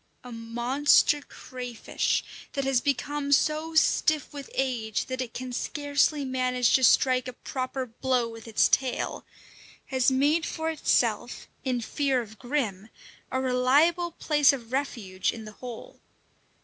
A monster crayfish, that has become so stiff with age that it can scarcely manage to strike a proper blow with its tail, has made for itself, in fear of Grim, a reliable place of refuge in the hole.